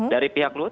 dari pihak luhut